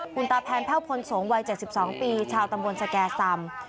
คุณตาแพนแพ่วพลสงฆ์วัย๗๒ปีชาวตำบลสแก่ซำ